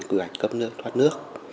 quy hoạch cấp nước thoát nước